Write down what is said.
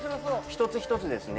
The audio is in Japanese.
一つ一つですね